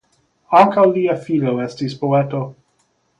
Ankaŭ lia filo estis poeto.